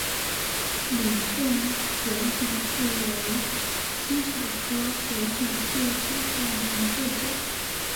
吕宋水锦树为茜草科水锦树属下的一个种。